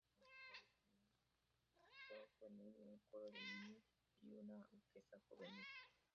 Tiene un coro, un coro juvenil, un coro de niños y una orquesta juvenil.